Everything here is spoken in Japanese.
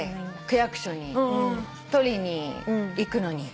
区役所に取りに行くのに。